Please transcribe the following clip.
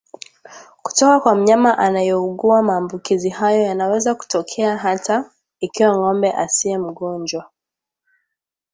kutoka kwa mnyama anayeugua Maambukizi hayo yanaweza kutokea hata ikiwa ng'ombe asiye mgonjwa